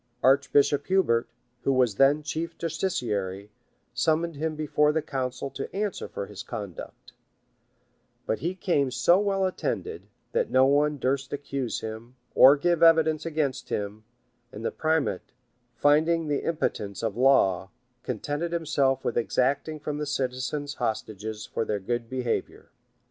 Archbishop Hubert, who was then chief justiciary, summoned him before the council to answer for his conduct; but he came so well attended, that no one durst accuse him, or give evidence against him; and the primate, finding the impotence of law, contented himself with exacting from the citizens hostages for their good behavior.